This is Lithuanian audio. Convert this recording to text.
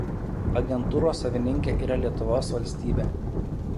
Agentūros savininkė yra Lietuvos valstybė.